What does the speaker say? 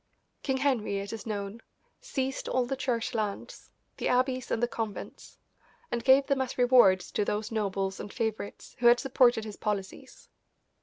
King Henry, it is known, seized all the Church lands, the abbeys and the convents, and gave them as rewards to those nobles and favourites who had supported his policies.